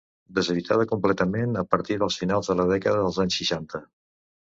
Deshabitada completament a partir de finals de la dècada dels anys seixanta.